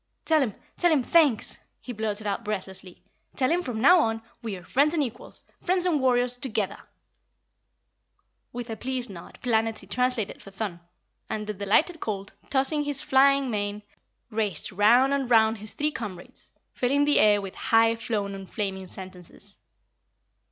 "Tell him, tell him THANKS!" he blurted out breathlessly. "Tell him from now on we are friends and equals, friends and warriors, together!" With a pleased nod Planetty translated for Thun, and the delighted colt, tossing his flying mane, raced round and round his three comrades, filling the air with high flown and flaming sentences.